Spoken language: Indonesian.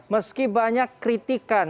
meski banyak kritikan